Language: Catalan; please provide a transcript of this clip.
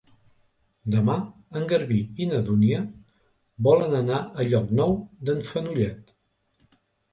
Demà en Garbí i na Dúnia volen anar a Llocnou d'en Fenollet.